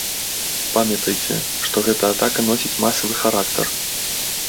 Памятайце, што гэта атака носіць масавы характар.